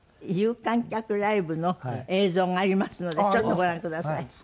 有観客ライブの映像がありますのでちょっとご覧ください。